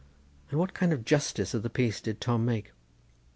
"And what kind of justice of the peace did Tom make?"